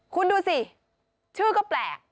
คุณดูสิชื่อก็แปลก